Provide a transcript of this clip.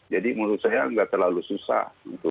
jadi menurut saya nggak terlalu susah